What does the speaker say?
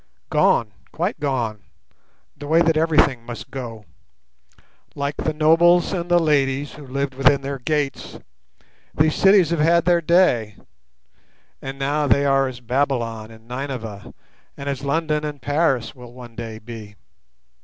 Gone! quite gone! the way that everything must go. Like the nobles and the ladies who lived within their gates, these cities have had their day, and now they are as Babylon and Nineveh, and as London and Paris will one day be.